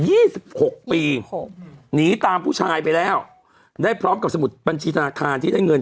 สิบหกปีหกหนีตามผู้ชายไปแล้วได้พร้อมกับสมุดบัญชีธนาคารที่ได้เงิน